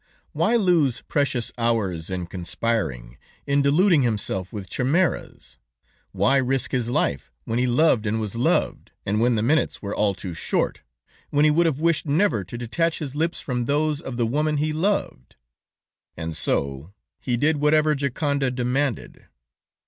"Why lose precious hours in conspiring, in deluding himself with chimeras; why risk his life when he loved and was loved, and when the minutes were all too short, when he would have wished never to detach his lips from those of the woman he loved? "And so he did whatever Gioconda demanded.